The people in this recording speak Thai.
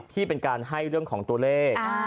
ที่เป็นการให้เรื่องของตัวเลข